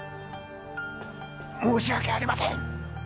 申し訳ありません！